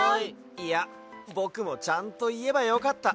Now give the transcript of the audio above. いやぼくもちゃんといえばよかった。